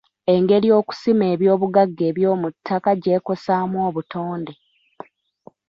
Engeri okusima ebyobugagga eby'omuttaka gye kukosaamu obutonde.